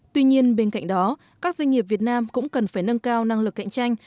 tuy nhiên bên cạnh đó các doanh nghiệp việt nam cũng cần phải nâng cao năng lực cạnh tranh